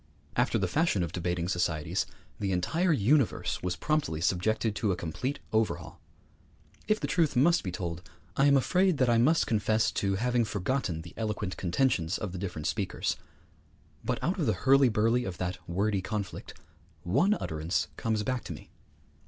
After the fashion of debating societies, the entire universe was promptly subjected to a complete overhaul. If the truth must be told, I am afraid that I must confess to having forgotten the eloquent contentions of the different speakers; but out of the hurly burly of that wordy conflict one utterance comes back to me.